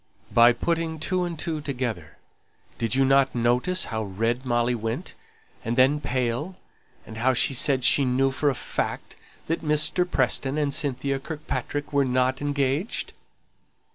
"By putting two and two together. Didn't you notice how red Molly went, and then pale, and how she said she knew for a fact that Mr. Preston and Cynthia Kirkpatrick were not engaged?"